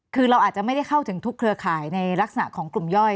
คือเราอาจจะไม่ได้เข้าถึงทุกเครือข่ายในลักษณะของกลุ่มย่อย